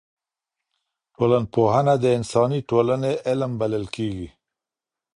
ټولنپوهنه د انساني ټولني علم بلل کیږي.